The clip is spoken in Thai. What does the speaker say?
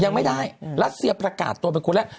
ยังไม่ได้รัสเซียประกาศตัวเป็นคนแรก